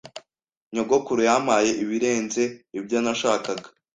Nyogokuru yampaye ibirenze ibyo nashakaga.